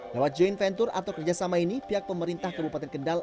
lewat joint venture atau kerjasama ini pihak pemerintah kabupaten kendal